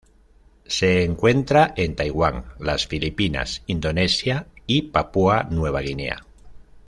Se encuentra en Taiwán, las Filipinas, Indonesia y Papúa Nueva Guinea.